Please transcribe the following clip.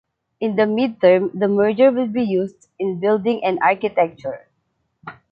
In the mid-term, the merger will be used in building and architecture.